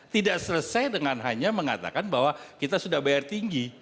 tidak selesai dengan hanya mengatakan bahwa kita sudah bayar tinggi